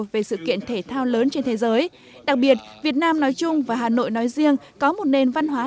về sự kiện thể thao lớn trên thế giới đặc biệt việt nam nói chung và hà nội nói riêng có một nền văn hóa